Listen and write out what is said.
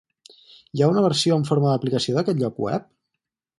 Hi ha una versió en forma d'aplicació d'aquest lloc web?